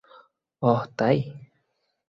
অহ, তাই?